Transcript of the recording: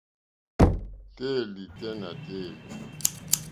Téèlì tɛ́ nà téèlì.